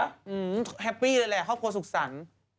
แฮปปี้เลยแหละครอบครัวสุขสรรค์